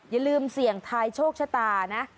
อย่าลืมเสี่ยงทายโชคชะตานะ